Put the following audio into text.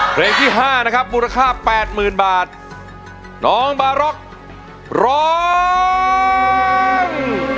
เพลงที่ห้านะครับมูลค่าแปดหมื่นบาทน้องบาร็อกร้อง